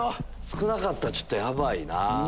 少なかったらちょっとヤバいな。